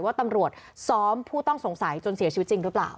ว่าตำรวจซ้อมผู้ต้องสงสัยจนเสียชีวิตจริงหรือเปล่า